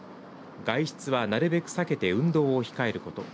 外出はなるべく避けて運動を控えること。